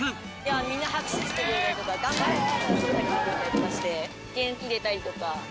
みんな拍手してくれたりとか「頑張れ！」って声かけてくれたりとかして元気出たりとか。